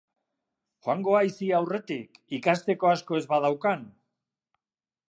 Joango haiz hi aurretik, ikasteko asko ez badaukan?